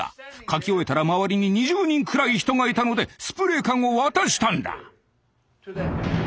書き終えたら周りに２０人くらい人がいたのでスプレー缶を渡したんだ。